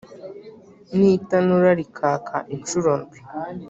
Na itanura rikaka incuro ndwi